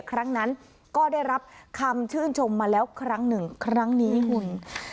ครั้งนั้นก็ได้รับคำชื่นชมมาแล้วครั้งหนึ่งครั้งนี้คุณ